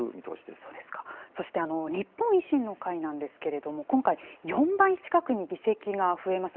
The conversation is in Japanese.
そして日本維新の会なんですけれども、今回、４倍近くに議席が増えました。